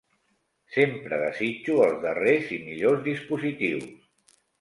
Sempre desitjo els darrers i millors dispositius.